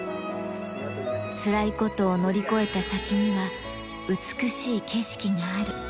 つらいことを乗り越えた先には、美しい景色がある。